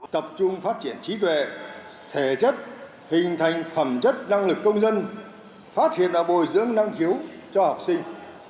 tập trung phát triển trí tuệ thể chất hình thành phẩm chất năng lực công dân phát hiện và bồi dưỡng năng khiếu cho học sinh